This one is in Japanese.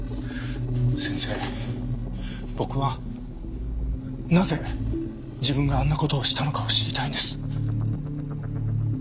先生僕はなぜ自分があんな事をしたのかを知りたいんです。